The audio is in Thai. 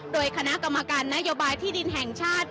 โดยคณะกรรมการนโยบายที่ดินแห่งชาติ